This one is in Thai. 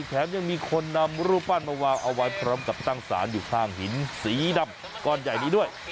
แถมยังมีคนนำรูปปั้นมาวางเอาไว้พร้อมกับตั้งสารอยู่ข้างหินสีดำก้อนใหญ่นี้ด้วย